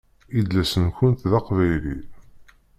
Idles-nkent d aqbayli.